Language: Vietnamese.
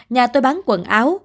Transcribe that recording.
nhà tôi bán quần áo